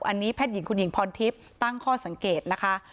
อันนี้แพทย์หญิงคุณหญิงพรทิพย์ตั้งข้อสังเกตนะคะ